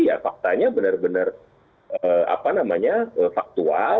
ya faktanya benar benar faktual